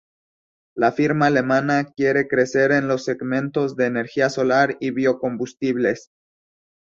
La firma alemana quiere crecer en los segmentos de energía solar y biocombustibles.